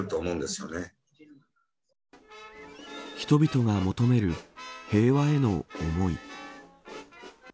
人々が求める平和への思い。